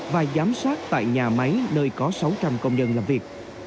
và giám sát tại nhà máy nơi có sáu trăm linh công nhân làm việc